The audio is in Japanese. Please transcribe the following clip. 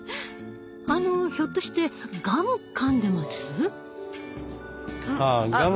あのひょっとしてガムかんでます？